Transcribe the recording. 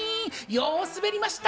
よう滑りました。